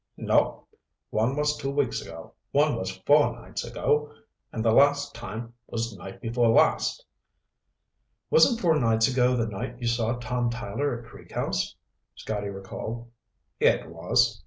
"Nope. One was two weeks ago, one was four nights ago, and the last time was night before last." "Wasn't four nights ago the night you saw Tom Tyler at Creek House?" Scotty recalled. "It was.